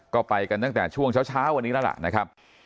ก็ไปกันตั้งแต่ช่วงเช้าวันนี้แล้วล่ะนะครับ